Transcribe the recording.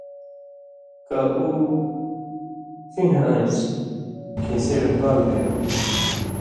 کَہ اُو ڇین٘ھ آن٘سیۡ کھِیں صِرف بال دَھیٶں تھُو۔